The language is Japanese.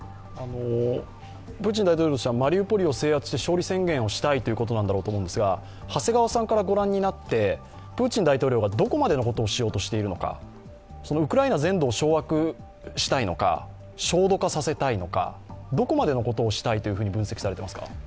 プーチン大統領としてはマリウポリを制圧して勝利宣言をしたいということですが長谷川さんから御覧になってプーチン大統領がどこまでのことをしようとしているのかウクライナ全土を掌握したいのか、焦土化させたいのか、どこまでのことをしたいというふうに分析されていますか？